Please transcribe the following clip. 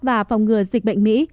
và phòng ngừa dịch bệnh mỹ